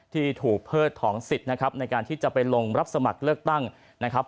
ที่ถูกเพิดถอนสิทธิ์นะครับในการที่จะไปลงรับสมัครเลือกตั้งนะครับ